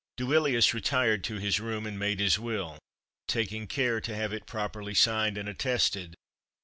Duilius retired to his room and made his will, taking care to have it properly signed and attested.